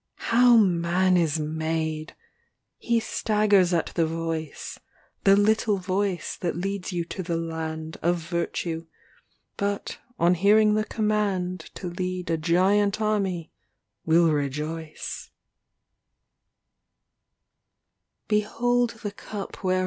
LXXXVII How man is made ! Ho staggers at the voice, The little voice that leads you to the land Of virtue ; but, on hearing the command To lead a giant army, will rojoiee.